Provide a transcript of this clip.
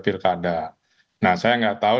pirkada nah saya gak tahu